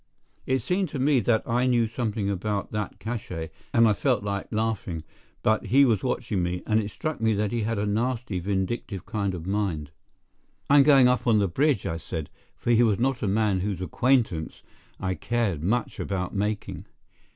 It seemed to me that I knew something about that cach├®, and I felt like laughing; but he was watching me, and it struck me that he had a nasty, vindictive kind of mind. "I'm going up on the bridge," I said, for he was not a man whose acquaintance I cared much about making.